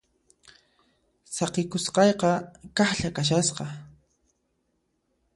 Saqikusqayqa kaqlla kashasqa.